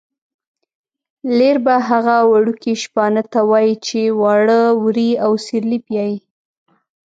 لېربه هغه وړکي شپانه ته وايي چې واړه وري او سېرلی پیایي.